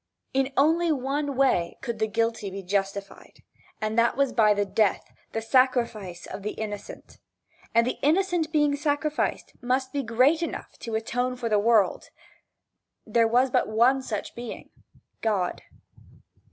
In only one way could the guilty be justified, and that was by the death, the sacrifice of the innocent. And the innocent being sacrificed must be great enough to atone for the world; There was but one such being God.